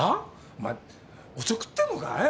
お前おちょくってんのかえっ？